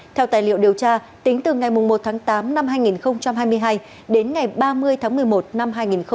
theo tài liệu điều tra tính từ ngày một tháng tám năm hai nghìn hai mươi hai đến ngày ba mươi tháng một mươi một năm hai nghìn hai mươi ba